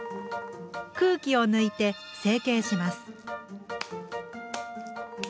空気を抜いて成形します。